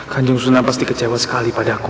kanjung sunan pasti kecewa sekali pada aku